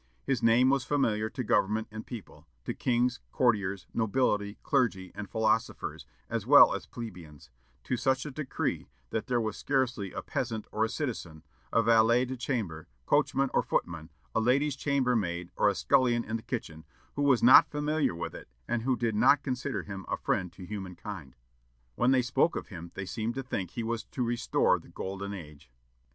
His name was familiar to government and people, to kings, courtiers, nobility, clergy, and philosophers, as well as plebeians, to such a decree that there was scarcely a peasant or a citizen, a valet de chambre, coachman or footman, a lady's chamber maid or a scullion in a kitchen, who was not familiar with it, and who did not consider him a friend to humankind. When they spoke of him they seemed to think he was to restore the golden age."